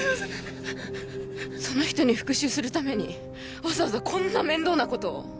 その人に復讐するためにわざわざこんな面倒なことを？